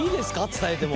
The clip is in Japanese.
伝えても。